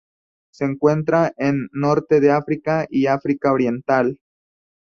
Se encuentra en Norte de África y África oriental.